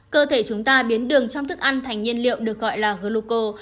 cơ thể chúng ta biến đường trong thức ăn thành nhiên liệu được gọi là gluco